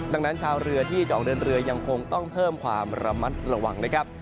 ดังนั้นชาวเรือที่จะออกเดินเรือยังคงต้องเพิ่มความระมัดระวังนะครับ